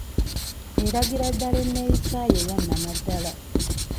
Eragira ddala enneeyisaayo eya nnamaddala.